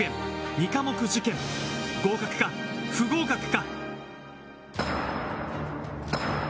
２科目受験、合格か不合格か？